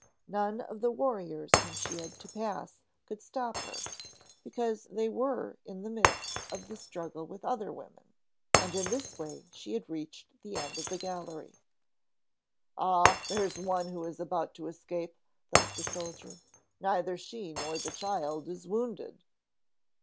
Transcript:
None of the warriors whom she had to pass could stop her, because they were in the midst of the struggle with other women, and in this way she had reached the end of the gallery. "Ah, there's one who is about to escape!" thought the soldier. "Neither she nor the child is wounded."